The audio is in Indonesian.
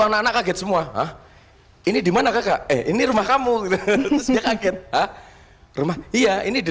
anak anak kaget semua hah ini dimana kakak eh ini rumah kamu ke sini kaget rumah iya ini di